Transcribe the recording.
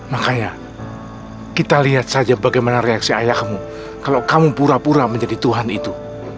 makanya kita lihat saja bagaimana reaksi ayahmu kalau kamu pura pura menjadi tuhan itu